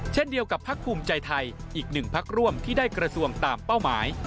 เช่นเดียวกับพักภูมิใจไทยอีกหนึ่งพักร่วมที่ได้กระทรวงตามเป้าหมาย